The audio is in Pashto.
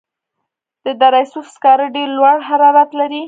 د دره صوف سکاره ډیر لوړ حرارت لري.